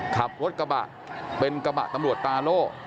ขับรถกระบะเป็นกระบะตำรวจตาโล่